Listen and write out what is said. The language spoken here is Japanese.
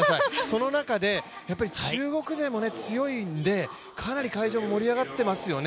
その中で、中国勢も強いのでかなり会場も盛り上がってますよね。